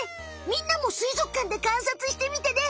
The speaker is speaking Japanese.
みんなもすいぞくかんでかんさつしてみてね！